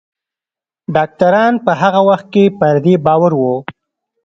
ډاکتران په هغه وخت کې پر دې باور وو